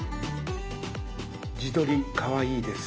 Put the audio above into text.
「自撮りかわいいです！」